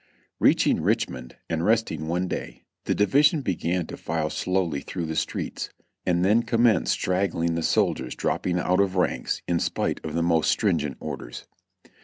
Reaching Richmond and resting one day. the division began to file slowly through the streets, and then commenced straggling the soldiers dropping out of ranks in spite of the most stringent orders.